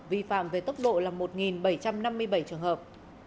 vi phạm về tốc độ là một bảy trăm năm mươi bảy trường hợp